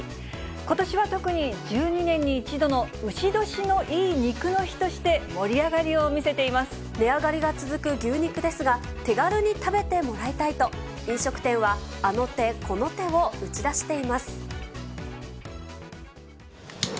ことしは特に１２年に１度のうし年のいい肉の日として、盛り上が値上がりが続く牛肉ですが、手軽に食べてもらいたいと、飲食店は、あの手この手を打ち出しています。